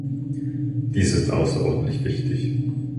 Dies ist außerordentlich wichtig.